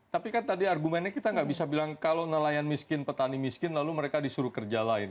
tapi kan tadi argumennya kita nggak bisa bilang kalau nelayan miskin petani miskin lalu mereka disuruh kerja lain